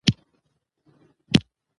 کولمو محور د عصبي فعالیت لپاره مهم دی.